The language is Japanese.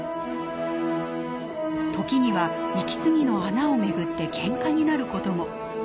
時には息継ぎの穴を巡ってけんかになることも。